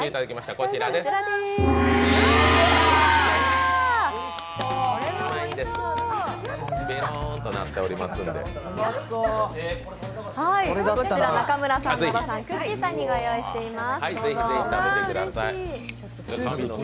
こちら中村さん、野呂さん、くっきー！さんに御用意しています。